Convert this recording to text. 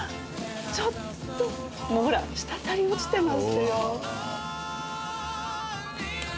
ちょっともうほら滴り落ちてますよ。